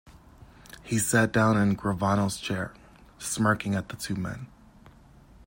He sat down in Gravano's chair, smirking at the two men.